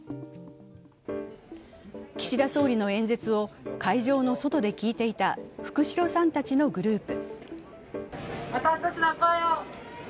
岸田総理の演説を会場の外で聞いていた福代さんたちのグループ。